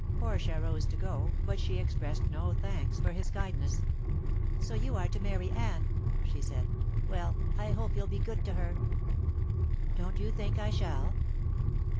Portia rose to go, but she expressed no thanks for his kindness. "So you are to marry Anne," she said. "Well, I hope you'll be good to her." "Don't you think I shall?"